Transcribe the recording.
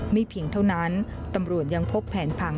เพียงเท่านั้นตำรวจยังพบแผนผัง